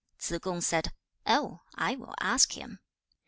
Tsze kung said, 'Oh! I will ask him.'